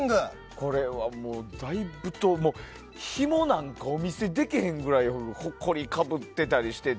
これは、ひもなんかお見せできないぐらいほこり、かぶってたりしてて。